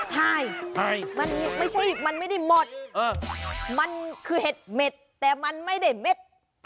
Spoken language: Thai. ใช่มันไม่ใช่มันไม่ได้หมดมันคือเห็ดเม็ดแต่มันไม่ได้เม็ด